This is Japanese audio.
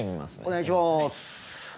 お願いします。